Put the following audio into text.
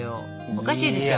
おかしいでしょ。